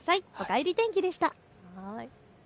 おかえり天気でした。